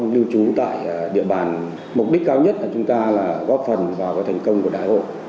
lưu trú tại địa bàn mục đích cao nhất của chúng ta là góp phần vào thành công của đại hội